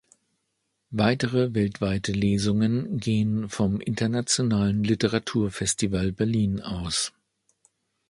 Weitere weltweite Lesungen gehen vom internationalen literaturfestival berlin aus.